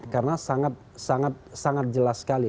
karena sangat jelas sekali